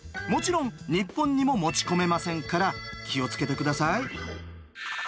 もちろん日本にも持ち込めませんから気を付けて下さい。